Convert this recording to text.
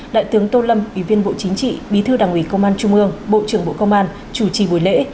đại tướng tô lâm ủy viên bộ chính trị bí thư đảng ủy công an trung ương bộ trưởng bộ công an chủ trì buổi lễ